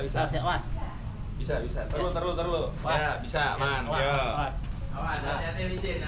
bisa bisa terus terus terus